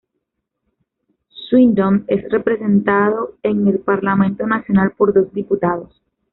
Swindon es representado en el Parlamento Nacional por dos diputados.